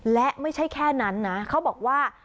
และไม่ใช่แค่นั้นนะเขาบอกว่า